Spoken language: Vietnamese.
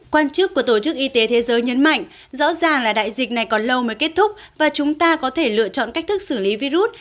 quan chức của tổ chức y tế thế giới nhấn mạnh rõ ràng là đại dịch này còn lâu mới kết thúc và chúng ta có thể lựa chọn cách thức xử lý virus